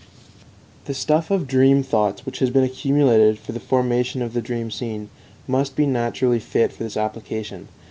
The stuff of the dream thoughts which has been accumulated for the formation of the dream scene must be naturally fit for this application.